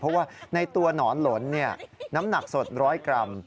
เพราะว่าในตัวหนอนหลนน้ำหนักสด๑๐๐กรัม